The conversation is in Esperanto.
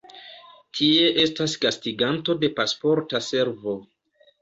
Tie estas gastiganto de Pasporta Servo.